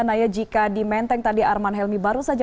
naya jika di menteng tadi arman helmi baru saja